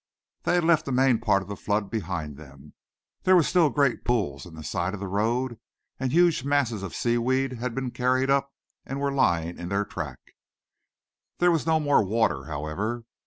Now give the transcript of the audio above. They had left the main part of the flood behind them. There were still great pools in the side of the road, and huge masses of seaweed had been carried up and were lying in their track. There was no more water, however.